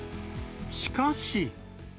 しかし。